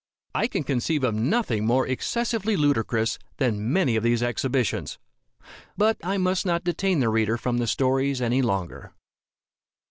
I can conceive of nothing more excessively ludicrous than many of these exhibitions. But I must not detain the reader from the stories any longer.